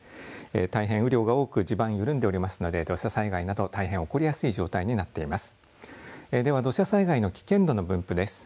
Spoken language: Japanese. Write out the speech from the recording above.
大変雨量が多く地盤が緩んでおりますので土砂災害など大変起こりやすい状態になっております。